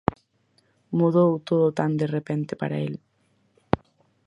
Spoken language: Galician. ¡Mudou todo tan de repente para el...!